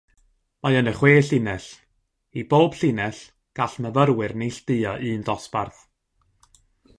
Mae yna chwe llinell; i bob llinell gall myfyrwyr neilltuo un dosbarth.